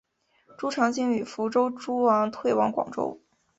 朱常清与福州诸王退往广州。